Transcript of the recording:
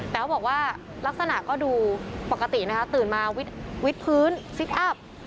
แต่เขาบอกว่าลักษณะก็ดูปกตินะคะตื่นมาวิดพื้นซิกอัพ